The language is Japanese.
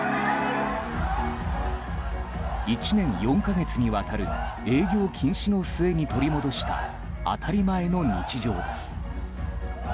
１年４か月にわたる営業禁止の末に取り戻した当たり前の日常です。